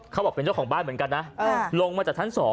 เขาบอกเป็นเจ้าของบ้านเหมือนกันนะ